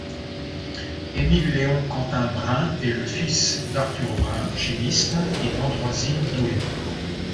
Émile Léon Quentin Brin est le fils d'Arthur Brin, chimiste, et d'Ambroisine Douay.